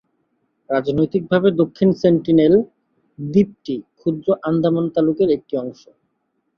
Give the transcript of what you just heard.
রাজনৈতিকভাবে, দক্ষিণ সেন্টিনেল দ্বীপটি ক্ষুদ্র আন্দামান তালুকের একটি অংশ।